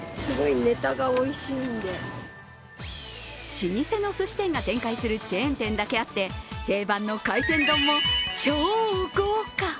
老舗のすし店が展開するチェーン店だけあって定番の海鮮丼も超豪華。